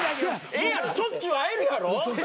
ええやろしょっちゅう会えるやろ？